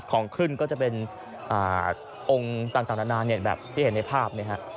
ของขึ้นก็จะเป็นองค์ต่างนานาแบบที่เห็นในภาพ